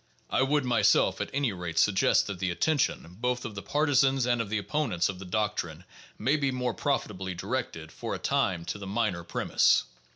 I would myself, at any rate, suggest that the attention both of the partisans and of the opponents of the doctrine may be more profitably directed for a time to the minor premise.